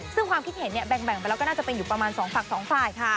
ซึ่งความคิดเห็นเนี่ยแบ่งไปแล้วก็น่าจะเป็นอยู่ประมาณ๒ฝั่ง๒ฝ่ายค่ะ